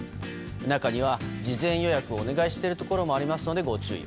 中には、事前予約をお願いしているところもありますのでご注意。